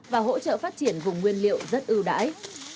và hỗ trợ phát triển vùng nguyên liệu rất ưu đãi